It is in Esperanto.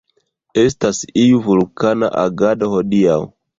Estas iu vulkana agado hodiaŭ.